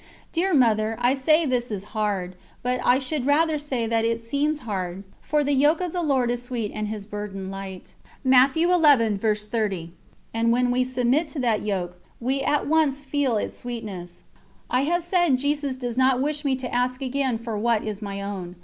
Dear Mother, I say this is hard, but I should rather say that it seems hard, for "The yoke of the Lord is sweet and His burden light." And when we submit to that yoke, we at once feel its sweetness. I have said Jesus does not wish me to ask again for what is my own.